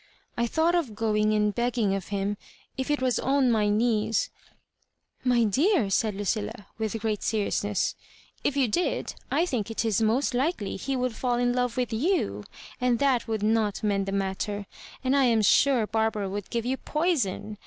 *' I thought of going and begging of him, if it was on my knees "My dear,'* said Lucilla, with great serious ness, '*if yon did, I think it is most likely he would fall in love with ycu^ and that would not mend the matter; and I am sure Barbara would give you poison.